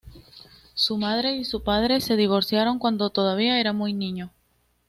Su madre y su padre se divorciaron cuando todavía era muy niño.